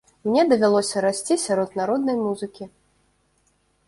Мне давялося расці сярод народнай музыкі.